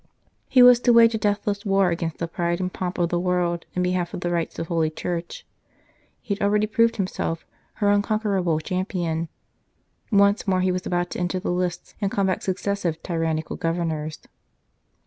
He was to wage a deathless war against the pride and pomp of the world, in behalf of the rights of Holy Church. He had already proved himself her unconquerable champion ; once more he was about to enter the lists and combat suc cessive tyrannical Governors.